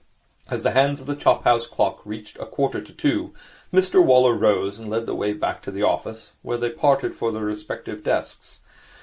As the hands of the chop house clock reached a quarter to two, Mr Waller rose, and led the way back to the office, where they parted for their respective desks.